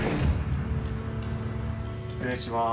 失礼します。